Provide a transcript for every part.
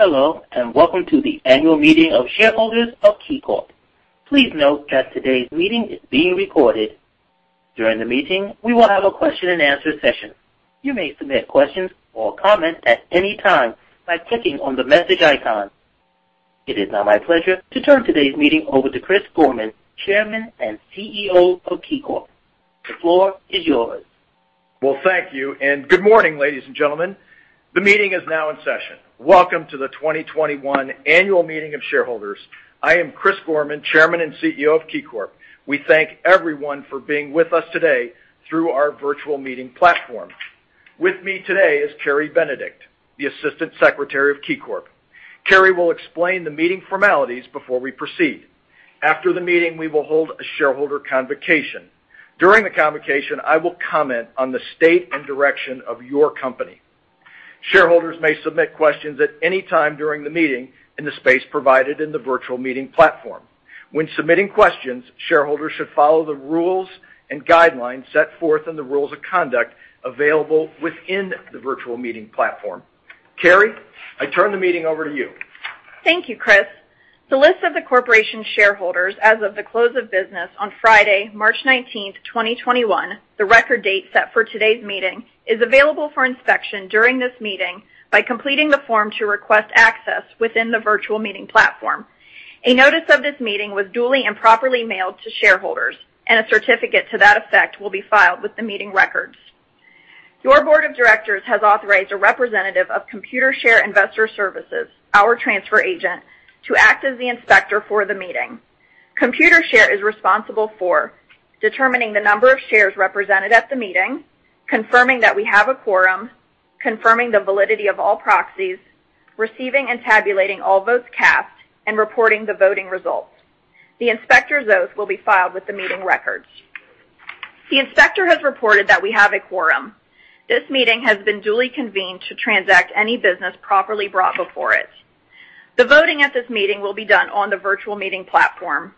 Hello, and welcome to the annual meeting of shareholders of KeyCorp. Please note that today's meeting is being recorded. During the meeting, we will have a question-and-answer session. You may submit questions or comments at any time by clicking on the message icon. It is now my pleasure to turn today's meeting over to Chris Gorman, Chairman and CEO of KeyCorp. The floor is yours. Thank you, and good morning, ladies and gentlemen. The meeting is now in session. Welcome to the 2021 annual meeting of shareholders. I am Chris Gorman, Chairman and CEO of KeyCorp. We thank everyone for being with us today through our virtual meeting platform. With me today is Carrie Benedict, the Assistant Secretary of KeyCorp. Carrie will explain the meeting formalities before we proceed. After the meeting, we will hold a shareholder convocation. During the convocation, I will comment on the state and direction of your company. Shareholders may submit questions at any time during the meeting in the space provided in the virtual meeting platform. When submitting questions, shareholders should follow the rules and guidelines set forth in the rules of conduct available within the virtual meeting platform. Carrie, I turn the meeting over to you. Thank you, Chris. The list of the corporation's shareholders as of the close of business on Friday, 19 March 2021, the record date set for today's meeting, is available for inspection during this meeting by completing the form to request access within the virtual meeting platform. A notice of this meeting was duly and properly mailed to shareholders, and a certificate to that effect will be filed with the meeting records. Your board of directors has authorized a representative of Computershare Investor Services, our transfer agent, to act as the inspector for the meeting. Computershare Investor Services is responsible for determining the number of shares represented at the meeting, confirming that we have a quorum, confirming the validity of all proxies, receiving and tabulating all votes cast, and reporting the voting results. The inspector's oath will be filed with the meeting records. The inspector has reported that we have a quorum. This meeting has been duly convened to transact any business properly brought before it. The voting at this meeting will be done on the virtual meeting platform.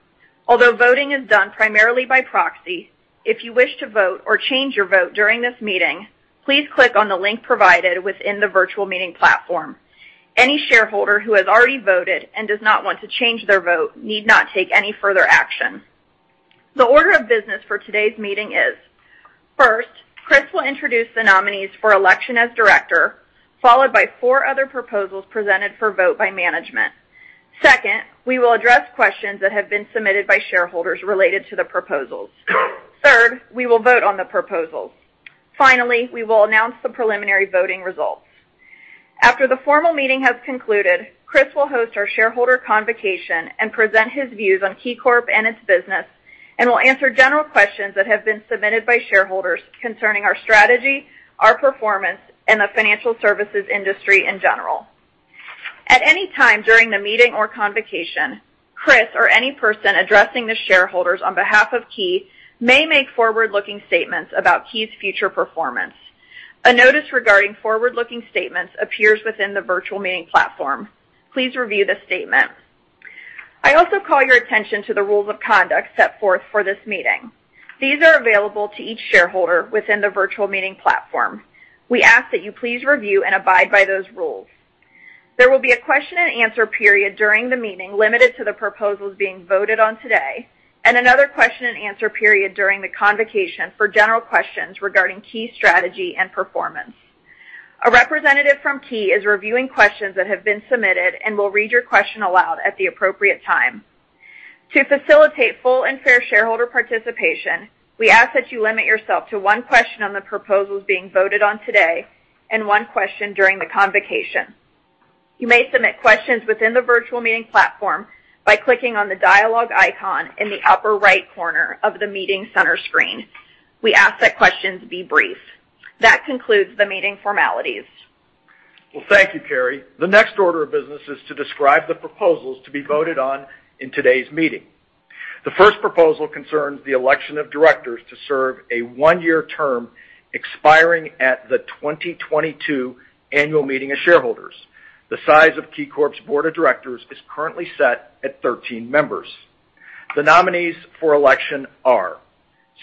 Although voting is done primarily by proxy, if you wish to vote or change your vote during this meeting, please click on the link provided within the virtual meeting platform. Any shareholder who has already voted and does not want to change their vote need not take any further action. The order of business for today's meeting is: first, Chris will introduce the nominees for election as director, followed by four other proposals presented for vote by management. Second, we will address questions that have been submitted by shareholders related to the proposals. Third, we will vote on the proposals. Finally, we will announce the preliminary voting results. After the formal meeting has concluded, Chris will host our shareholder convocation and present his views on KeyCorp and its business, and will answer general questions that have been submitted by shareholders concerning our strategy, our performance, and the financial services industry in general. At any time during the meeting or convocation, Chris or any person addressing the shareholders on behalf of Key may make forward-looking statements about Key's future performance. A notice regarding forward-looking statements appears within the virtual meeting platform. Please review the statement. I also call your attention to the rules of conduct set forth for this meeting. These are available to each shareholder within the virtual meeting platform. We ask that you please review and abide by those rules. There will be a question-and-answer period during the meeting limited to the proposals being voted on today, and another question-and-answer period during the convocation for general questions regarding Key's strategy and performance. A representative from Key is reviewing questions that have been submitted and will read your question aloud at the appropriate time. To facilitate full and fair shareholder participation, we ask that you limit yourself to one question on the proposals being voted on today and one question during the convocation. You may submit questions within the virtual meeting platform by clicking on the dialog icon in the upper right corner of the meeting center screen. We ask that questions be brief. That concludes the meeting formalities. Thank you, Carrie. The next order of business is to describe the proposals to be voted on in today's meeting. The first proposal concerns the election of directors to serve a one-year term expiring at the 2022 annual meeting of shareholders. The size of KeyCorp's board of directors is currently set at 13 members. The nominees for election are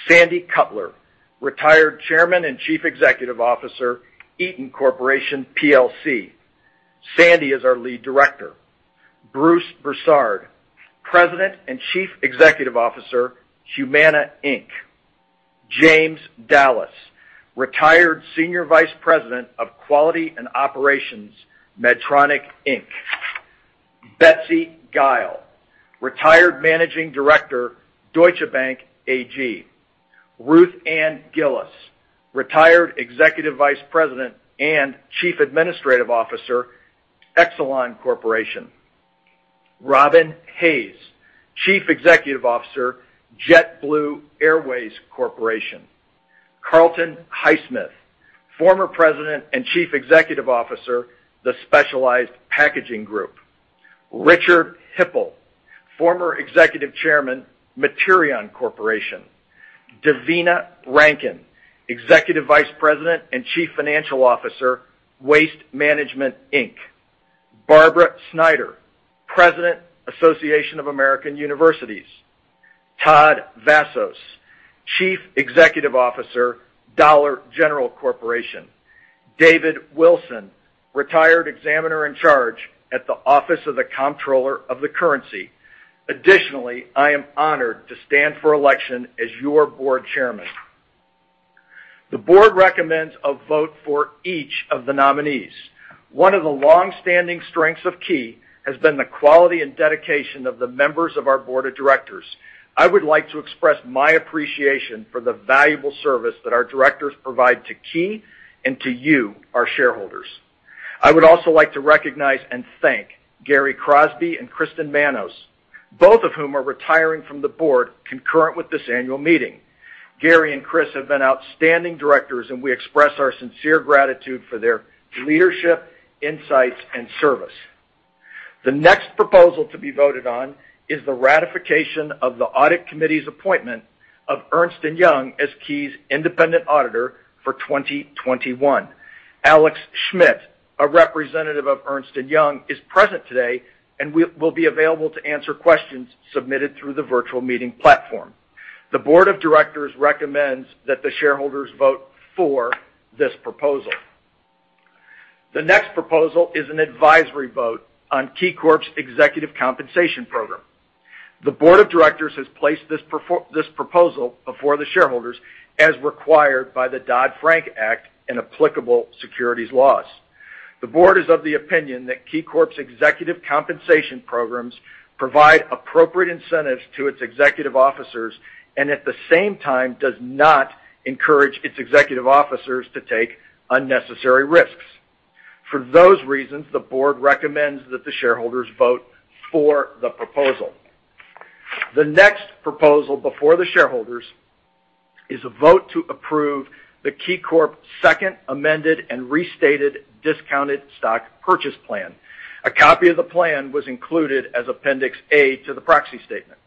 Sandy Cutler, retired Chairman and Chief Executive Officer, Eaton Corporation plc. Sandy is our lead director. Bruce Broussard, President and Chief Executive Officer, Humana Inc. James Dallas, retired Senior Vice President of Quality and Operations, Medtronic Inc. Betsy Gile, retired Managing Director, Deutsche Bank AG. Ruth Ann Gillis, retired Executive Vice President and Chief Administrative Officer, Exelon Corporation. Robin Hayes, Chief Executive Officer, JetBlue Airways Corporation. Carlton Highsmith, former President and Chief Executive Officer, The Specialized Packaging Group. Richard Hipple, former Executive Chairman, Materion Corporation. Devina Rankin, Executive Vice President and Chief Financial Officer, Waste Management Inc. Barbara Snyder, President, Association of American Universities. Todd Vasos, Chief Executive Officer, Dollar General Corporation. David Wilson, retired Examiner in Charge at the Office of the Comptroller of the Currency. Additionally, I am honored to stand for election as your board chairman. The board recommends a vote for each of the nominees. One of the long-standing strengths of Key has been the quality and dedication of the members of our board of directors. I would like to express my appreciation for the valuable service that our directors provide to Key and to you, our shareholders. I would also like to recognize and thank Gary Crosby and Kristen Manos, both of whom are retiring from the board concurrent with this annual meeting. Gary and Kris have been outstanding directors, and we express our sincere gratitude for their leadership, insights, and service. The next proposal to be voted on is the ratification of the audit committee's appointment of Ernst & Young as Key's independent auditor for 2021. Alex Schmidt, a representative of Ernst & Young, is present today and will be available to answer questions submitted through the virtual meeting platform. The board of directors recommends that the shareholders vote for this proposal. The next proposal is an advisory vote on KeyCorp's executive compensation program. The board of directors has placed this proposal before the shareholders as required by the Dodd-Frank Act and applicable securities laws. The board is of the opinion that KeyCorp's executive compensation programs provide appropriate incentives to its executive officers and at the same time do not encourage its executive officers to take unnecessary risks. For those reasons, the board recommends that the shareholders vote for the proposal. The next proposal before the shareholders is a vote to approve the KeyCorp Second Amended and Restated Discounted Stock Purchase Plan. A copy of the plan was included as Appendix A to the proxy statement.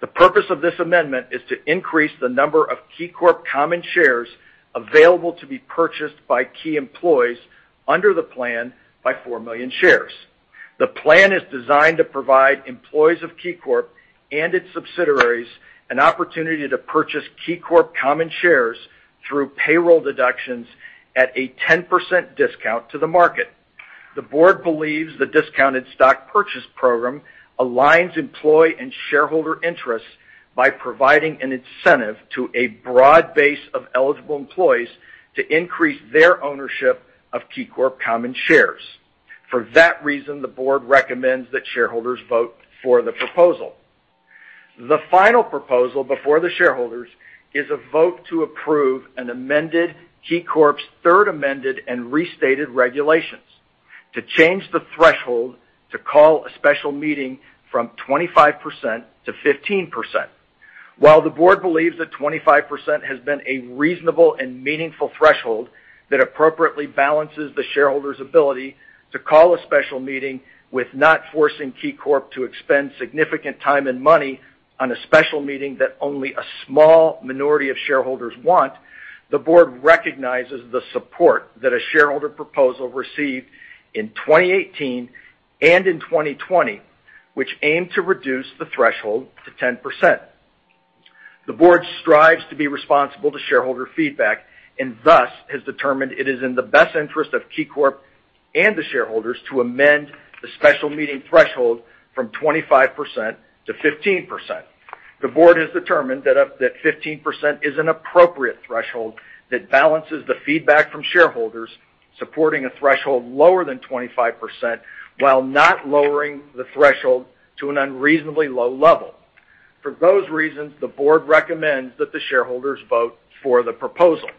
The purpose of this amendment is to increase the number of KeyCorp common shares available to be purchased by Key employees under the plan by four million shares. The plan is designed to provide employees of KeyCorp and its subsidiaries an opportunity to purchase KeyCorp common shares through payroll deductions at a 10% discount to the market. The board believes the discounted stock purchase program aligns employee and shareholder interests by providing an incentive to a broad base of eligible employees to increase their ownership of KeyCorp common shares. For that reason, the board recommends that shareholders vote for the proposal. The final proposal before the shareholders is a vote to approve an amended KeyCorp's Third Amended and Restated Regulations to change the threshold to call a special meeting from 25% to 15%. While the board believes that 25% has been a reasonable and meaningful threshold that appropriately balances the shareholders' ability to call a special meeting with not forcing KeyCorp to expend significant time and money on a special meeting that only a small minority of shareholders want, the board recognizes the support that a shareholder proposal received in 2018 and in 2020, which aimed to reduce the threshold to 10%. The board strives to be responsible to shareholder feedback and thus has determined it is in the best interest of KeyCorp and the shareholders to amend the special meeting threshold from 25% to 15%. The board has determined that 15% is an appropriate threshold that balances the feedback from shareholders supporting a threshold lower than 25% while not lowering the threshold to an unreasonably low level. For those reasons, the board recommends that the shareholders vote for the proposal.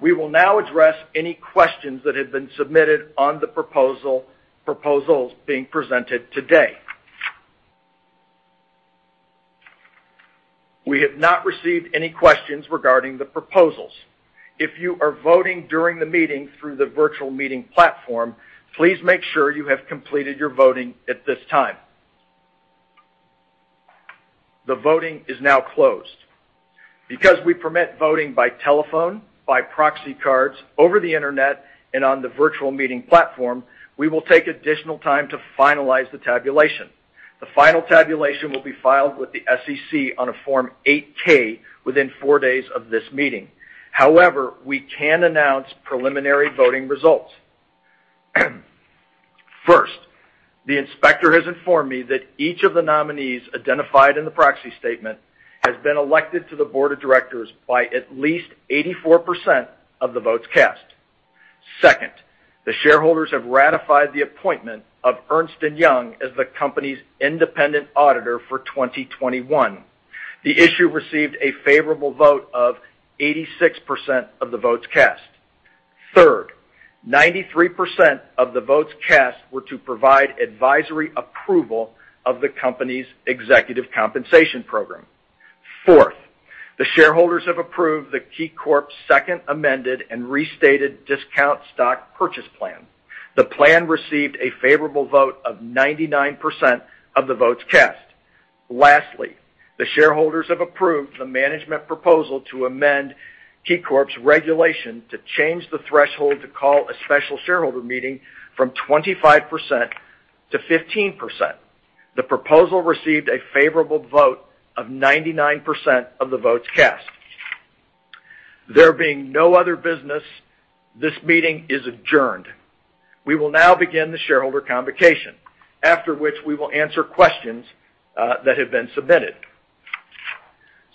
We will now address any questions that have been submitted on the proposals being presented today. We have not received any questions regarding the proposals. If you are voting during the meeting through the virtual meeting platform, please make sure you have completed your voting at this time. The voting is now closed. Because we permit voting by telephone, by proxy cards, over the internet, and on the virtual meeting platform, we will take additional time to finalize the tabulation. The final tabulation will be filed with the SEC on a Form 8-K within four days of this meeting. However, we can announce preliminary voting results. First, the Inspector has informed me that each of the nominees identified in the proxy statement has been elected to the board of directors by at least 84% of the votes cast. Second, the shareholders have ratified the appointment of Ernst & Young as the company's independent auditor for 2021. The issue received a favorable vote of 86% of the votes cast. Third, 93% of the votes cast were to provide advisory approval of the company's Executive Compensation Program. Fourth, the shareholders have approved the KeyCorp Second Amended and Restated Discounted Stock Purchase Plan. The plan received a favorable vote of 99% of the votes cast. Lastly, the shareholders have approved the management proposal to amend KeyCorp's Regulations to change the threshold to call a special shareholder meeting from 25% to 15%. The proposal received a favorable vote of 99% of the votes cast. There being no other business, this meeting is adjourned. We will now begin the shareholder convocation, after which we will answer questions that have been submitted.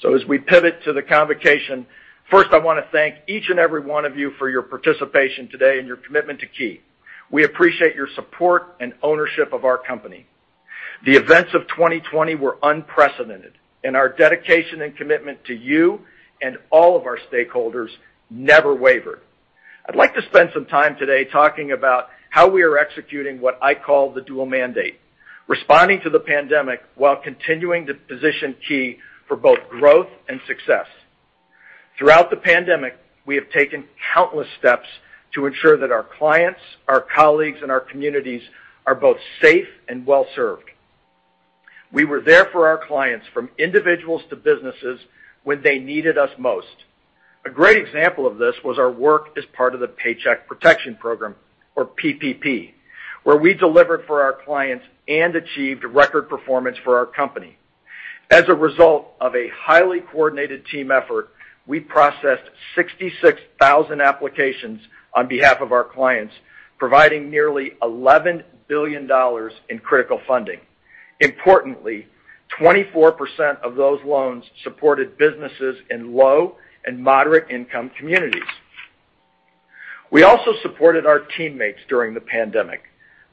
So as we pivot to the convocation, first, I want to thank each and every one of you for your participation today and your commitment to Key. We appreciate your support and ownership of our company. The events of 2020 were unprecedented, and our dedication and commitment to you and all of our stakeholders never wavered. I'd like to spend some time today talking about how we are executing what I call the dual mandate: responding to the pandemic while continuing to position Key for both growth and success. Throughout the pandemic, we have taken countless steps to ensure that our clients, our colleagues, and our communities are both safe and well served. We were there for our clients from individuals to businesses when they needed us most. A great example of this was our work as part of the Paycheck Protection Program, or PPP, where we delivered for our clients and achieved record performance for our company. As a result of a highly coordinated team effort, we processed 66,000 applications on behalf of our clients, providing nearly $11 billion in critical funding. Importantly, 24% of those loans supported businesses in low and moderate-income communities. We also supported our teammates during the pandemic.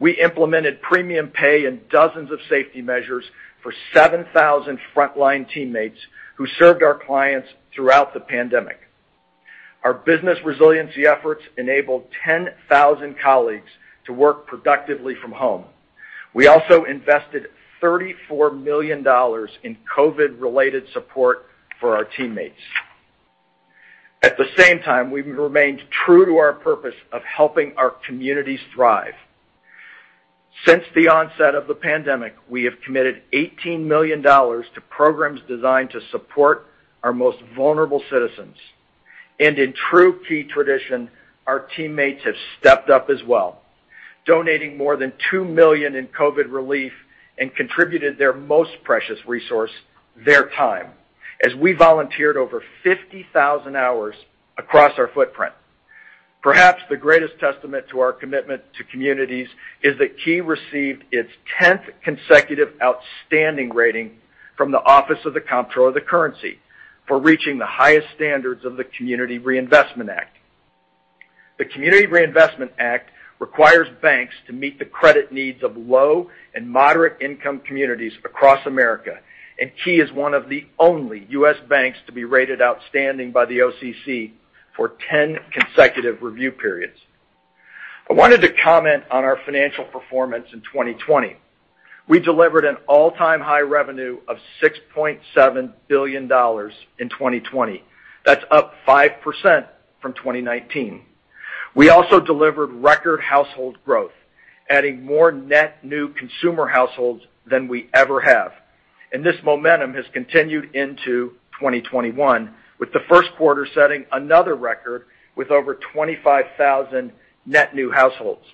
We implemented premium pay and dozens of safety measures for 7,000 frontline teammates who served our clients throughout the pandemic. Our business resiliency efforts enabled 10,000 colleagues to work productively from home. We also invested $34 million in COVID-related support for our teammates. At the same time, we remained true to our purpose of helping our communities thrive. Since the onset of the pandemic, we have committed $18 million to programs designed to support our most vulnerable citizens. And in true Key tradition, our teammates have stepped up as well, donating more than 2 million in COVID relief and contributed their most precious resource, their time, as we volunteered over 50,000 hours across our footprint. Perhaps the greatest testament to our commitment to communities is that Key received its 10th consecutive Outstanding rating from the Office of the Comptroller of the Currency for reaching the highest standards of the Community Reinvestment Act. The Community Reinvestment Act requires banks to meet the credit needs of low and moderate-income communities across America, and Key is one of the only U.S. banks to be rated Outstanding by the OCC for 10 consecutive review periods. I wanted to comment on our financial performance in 2020. We delivered an all-time high revenue of $6.7 billion in 2020. That's up 5% from 2019. We also delivered record household growth, adding more net new consumer households than we ever have. And this momentum has continued into 2021, with the first quarter setting another record with over 25,000 net new households.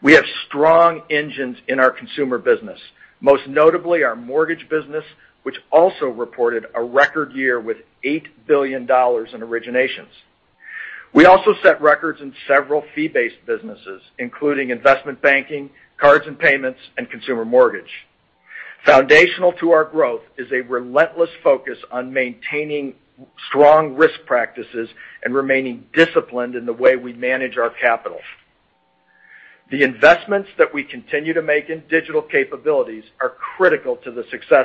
We have strong engines in our consumer business, most notably our mortgage business, which also reported a record year with $8 billion in originations. We also set records in several fee-based businesses, including investment banking, cards and payments, and consumer mortgage. Foundational to our growth is a relentless focus on maintaining strong risk practices and remaining disciplined in the way we manage our capital. The investments that we continue to make in digital capabilities are critical to the success.